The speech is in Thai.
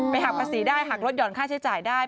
หักภาษีได้หักลดห่อนค่าใช้จ่ายได้